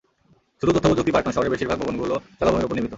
শুধু তথ্যপ্রযুক্তি পার্ক নয়, শহরের বেশির ভাগ ভবনগুলো জলাভূমির ওপর নির্মিত।